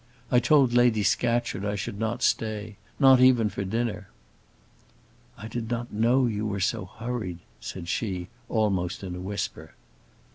I told Lady Scatcherd I should not stay, not even for dinner." "I did not know you were so hurried," said she, almost in a whisper.